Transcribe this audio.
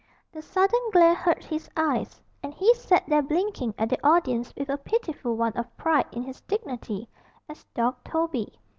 The sudden glare hurt his eyes, and he sat there blinking at the audience with a pitiful want of pride in his dignity as Dog Toby.